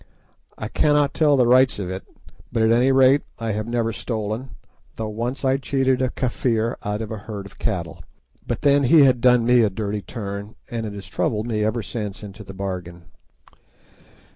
I cannot tell the rights of it, but at any rate I have never stolen, though once I cheated a Kafir out of a herd of cattle. But then he had done me a dirty turn, and it has troubled me ever since into the bargain.